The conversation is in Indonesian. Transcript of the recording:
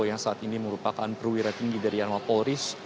yang saat ini merupakan perwira tinggi dari anal polris